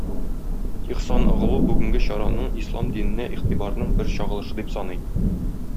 Ихсаноглу бүгенге чараның ислам диненә игътибарның бер чагылышы дип саный.